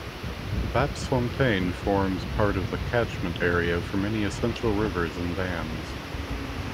Bapsfontein forms part of the catchment area for many essential rivers and dams.